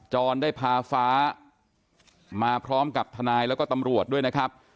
จรได้พาฟ้ามาพร้อมกับทนายแล้วก็ตำรวจด้วยนะครับ